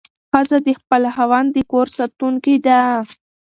ښځه د خپل خاوند د کور ساتونکې ده.